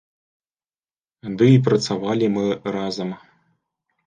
Ды і працавалі мы разам.